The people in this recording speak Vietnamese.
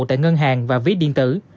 tại ngân hàng và ví điện tử